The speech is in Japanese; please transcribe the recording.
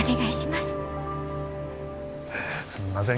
すんません